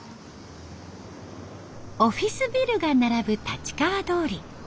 オフィスビルが並ぶ立川通り。